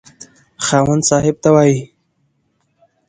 خاوند صاحب ته وايي.